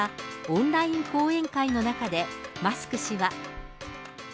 オンライン講演会の中で、マスク氏は。